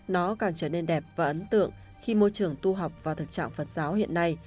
nó càng trở nên đẹp và ấn tượng khi môi trường tu học vào thực trạng phật giáo hiện nay